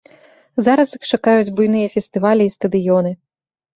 Зараз іх чакаюць буйныя фестывалі і стадыёны.